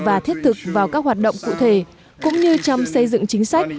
và thiết thực vào các hoạt động cụ thể cũng như trong xây dựng chính sách